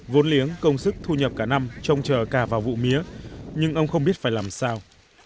vốn liếng công sức thu nhập cả năm trông chờ cả vào vụ mía nhưng ông không biết phải làm sao